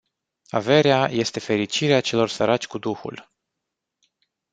Averea este fericirea celor săraci cu duhul.